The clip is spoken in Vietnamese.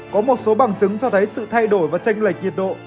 có một số bằng chứng cho thấy sự thay đổi và tranh lệch nhiệt độ